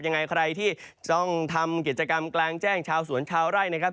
ยังไงใครที่ต้องทำกิจกรรมกลางแจ้งชาวสวนชาวไร่นะครับ